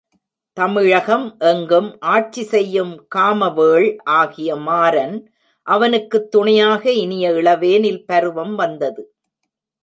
தமிழகம் எங்கும் ஆட்சி செய்யும் காமவேள் ஆகிய மாரன் அவனுக்குத் துணையாக இனிய இளவேனில் பருவம் வந்தது.